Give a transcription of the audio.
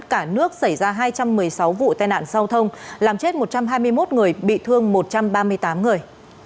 cả nước xảy ra hai trăm một mươi sáu vụ tai nạn giao thông làm chết một trăm hai mươi một người bị thương một trăm ba mươi tám người